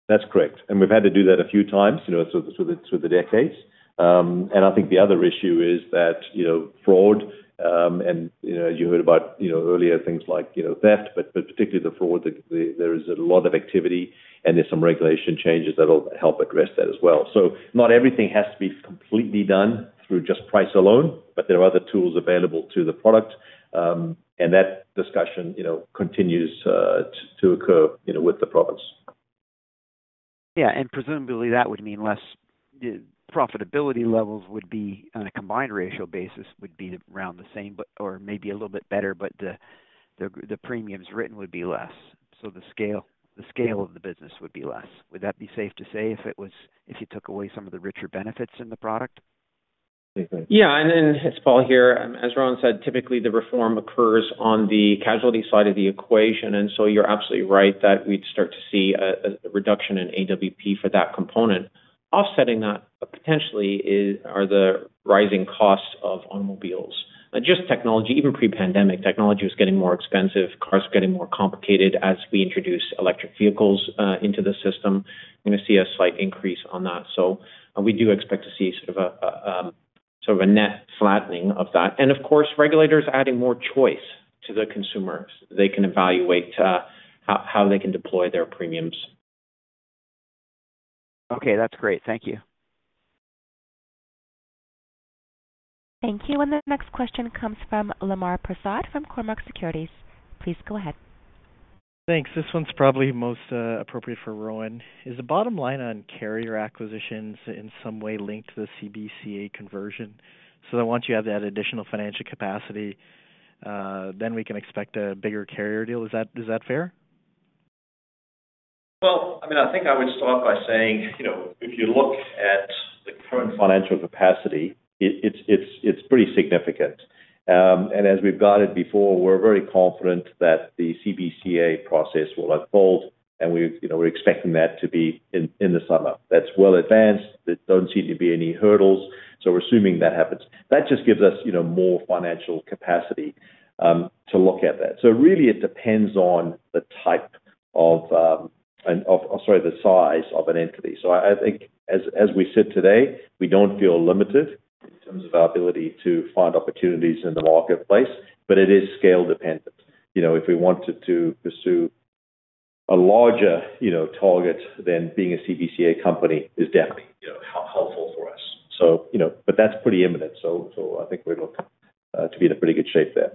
[SPEAKER 3] That's correct. We've had to do that a few times, you know, through the, through the decades. I think the other issue is that, you know, fraud, and you know, you heard about, you know, earlier things like, you know, theft, but particularly the fraud there is a lot of activity and there's some regulation changes that'll help address that as well. Not everything has to be completely done through just price alone, but there are other tools available to the product. That discussion, you know, continues to occur, you know, with the province.
[SPEAKER 12] Yeah. Presumably that would mean less profitability levels would be on a combined ratio basis, would be around the same or maybe a little bit better, but the premiums written would be less. The scale of the business would be less. Would that be safe to say if it was, if you took away some of the richer benefits in the product?
[SPEAKER 6] Yeah. It's Paul here. As Rowan said, typically the reform occurs on the casualty side of the equation, you're absolutely right that we'd start to see a reduction in AWP for that component. Offsetting that potentially are the rising costs of automobiles. Just technology, even pre-pandemic, technology was getting more expensive, cars getting more complicated. As we introduce electric vehicles, into the system, we're gonna see a slight increase on that. We do expect to see sort of a net flattening of that. Of course, regulators adding more choice to the consumers. They can evaluate how they can deploy their premiums.
[SPEAKER 12] Okay. That's great. Thank you.
[SPEAKER 1] Thank you. The next question comes from Lemar Persaud from Cormark Securities. Please go ahead.
[SPEAKER 13] Thanks. This one's probably most appropriate for Rowan. Is the bottom line on carrier acquisitions in some way linked to the CBCA conversion? That once you have that additional financial capacity, then we can expect a bigger carrier deal. Is that fair?
[SPEAKER 3] Well, I mean, I think I would start by saying, you know, if you look at the current financial capacity, it's pretty significant. As we've guided before, we're very confident that the CBCA process will unfold and we're, you know, we're expecting that to be in the summer. That's well advanced. There don't seem to be any hurdles. We're assuming that happens. That just gives us, you know, more financial capacity to look at that. Really it depends on the type of, or sorry, the size of an entity. I think as we said today, we don't feel limited in terms of our ability to find opportunities in the marketplace, but it is scale dependent. You know, if we wanted to pursue a larger, you know, target, being a CBCA company is definitely, you know, helpful for us. You know, but that's pretty imminent. I think we look to be in a pretty good shape there.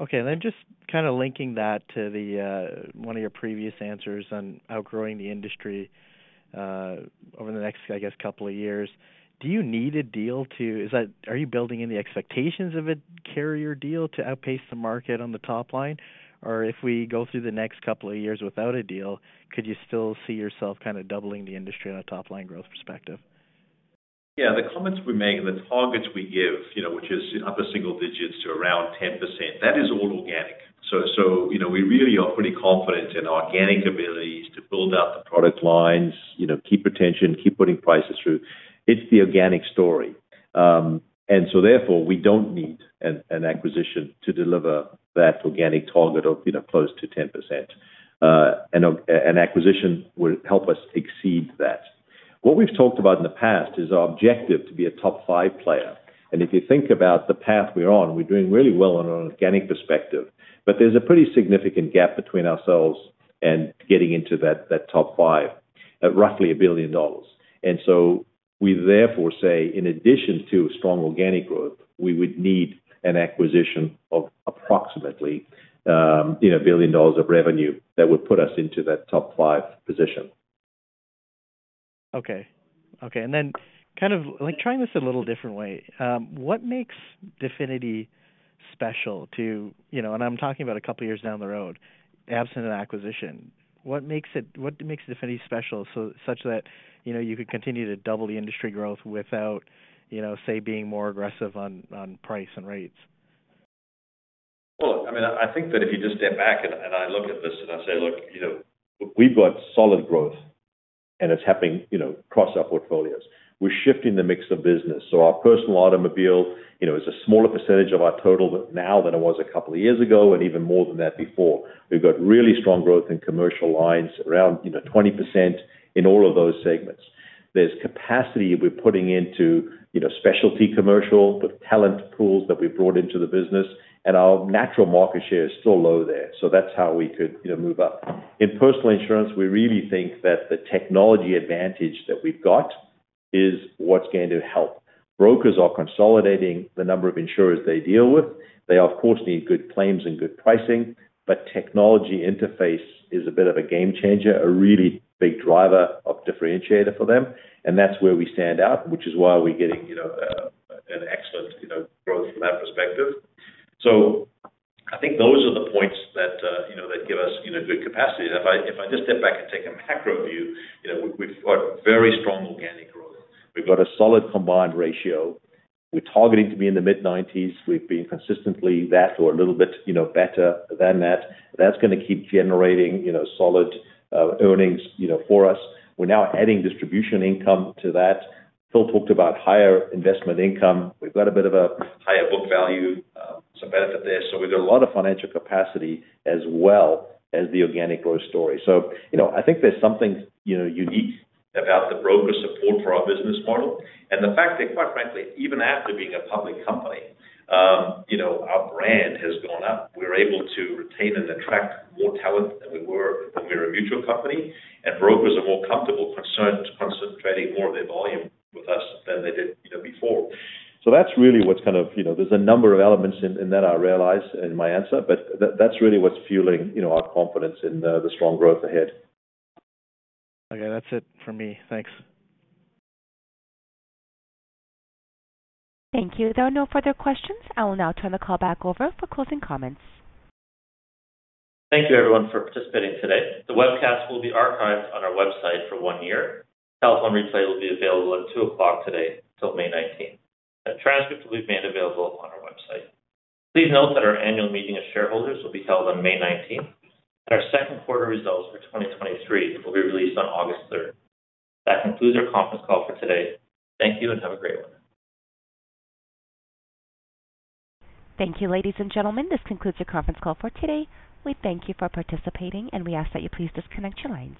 [SPEAKER 13] Okay, just kind of linking that to the one of your previous answers on outgrowing the industry over the next, I guess, couple of years. Do you need a deal to... Are you building any expectations of a carrier deal to outpace the market on the top line? Or if we go through the next couple of years without a deal, could you still see yourself kind of doubling the industry on a top-line growth perspective?
[SPEAKER 3] Yeah. The comments we make and the targets we give, you know, which is upper single digits to around 10%, that is all organic. You know, we really are pretty confident in organic abilities to build out the product lines, you know, keep retention, keep putting prices through. It's the organic story. Therefore, we don't need an acquisition to deliver that organic target of, you know, close to 10%. An acquisition would help us exceed that. What we've talked about in the past is our objective to be a top five player. If you think about the path we're on, we're doing really well on an organic perspective. There's a pretty significant gap between ourselves and getting into that top five at roughly 1 billion dollars. We therefore say, in addition to strong organic growth, we would need an acquisition of approximately, you know, 1 billion dollars of revenue that would put us into that top five position.
[SPEAKER 13] Okay. Okay. kind of like trying this a little different way, what makes Definity special to, you know. I'm talking about a couple of years down the road, absent an acquisition. What makes Definity special so such that, you know, you could continue to double the industry growth without, you know, say being more aggressive on price and rates?
[SPEAKER 3] I mean, I think that if you just step back and I look at this and I say, look, you know, we've got solid growth, and it's happening, you know, across our portfolios. We're shifting the mix of business. Our personal automobile, you know, is a smaller percentage of our total now than it was a couple of years ago and even more than that before. We've got really strong growth in commercial lines around, you know, 20% in all of those segments. There's capacity we're putting into, you know, specialty commercial with talent pools that we've brought into the business, and our natural market share is still low there. That's how we could, you know, move up. In personal insurance, we really think that the technology advantage that we've got is what's going to help. Brokers are consolidating the number of insurers they deal with. They, of course, need good claims and good pricing, but technology interface is a bit of a game changer, a really big driver of differentiator for them, and that's where we stand out, which is why we're getting, you know, an excellent, you know, growth from that perspective. I think those are the points that, you know, that give us, you know, good capacity. If I just step back and take a macro view, you know, we've got very strong organic growth. We've got a solid combined ratio. We're targeting to be in the mid-nineties. We've been consistently that or a little bit, you know, better than that. That's gonna keep generating, you know, solid earnings, you know, for us. We're now adding distribution income to that. Phil talked about higher investment income. We've got a bit of a higher book value, some benefit there. We've got a lot of financial capacity as well as the organic growth story. I think there's something, you know, unique about the broker support for our business model and the fact that, quite frankly, even after being a public company, you know, our brand has gone up. We're able to retain and attract more talent than we were when we were a mutual company, and brokers are more comfortable concentrating more of their volume with us than they did, you know, before. That's really what's kind of... You know, there's a number of elements in that I realize in my answer, but that's really what's fueling, you know, our confidence in the strong growth ahead.
[SPEAKER 13] Okay. That's it for me. Thanks.
[SPEAKER 1] Thank you. There are no further questions. I will now turn the call back over for closing comments.
[SPEAKER 2] Thank you everyone for participating today. The webcast will be archived on our website for 1 year. Telephone replay will be available at 2:00 PM today till May 19th. A transcript will be made available on our website. Please note that our annual meeting of shareholders will be held on May 19th. Our second quarter results for 2023 will be released on August 3rd. That concludes our conference call for today. Thank you and have a great one.
[SPEAKER 1] Thank you, ladies and gentlemen. This concludes your conference call for today. We thank you for participating. We ask that you please disconnect your lines.